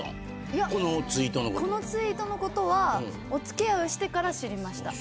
いや、このツイートのことはお付き合いしてから知りました。